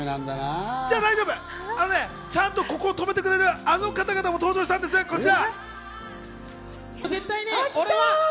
でも大丈夫、ちゃんとここを止めてくれる、あの方々も登場したんです、こちら。